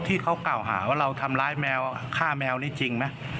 ที่เขากล่าวหาว่าเราทำร้ายแมวฆ่าแมวนี่จริงไหม